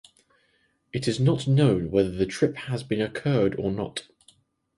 It is not known whether the trip has been occurred or not.